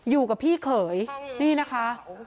อยู่กับพี่เขยนี่นะคะ